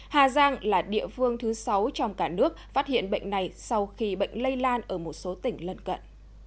hà giang là địa phương thứ sáu trong cả nước phát hiện bệnh này sau khi bệnh lây lan ở một số tỉnh lân cận